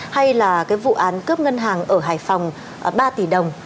hay là cái vụ án cướp ngân hàng ở hải phòng ba tỷ đồng